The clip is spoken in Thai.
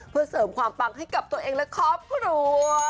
เพื่อเสริมความปังให้กับตัวเองและครอบครัว